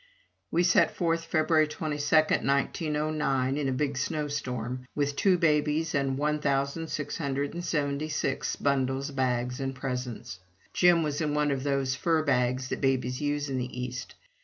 We set forth February 22, 1909, in a big snowstorm, with two babies, and one thousand six hundred and seventy six bundles, bags, and presents. Jim was in one of those fur bags that babies use in the East.